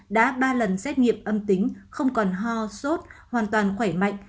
đã ba lần xét nghiệm âm tính không còn ho sốt hoàn toàn khỏe mạnh